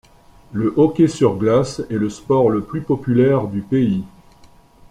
Le hockey sur glace est le sport le plus populaire du pays.